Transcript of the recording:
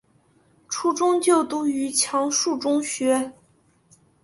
初中就读于强恕中学。